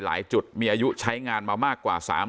จุดมีอายุใช้งานมามากกว่า๓๐